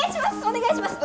お願いします！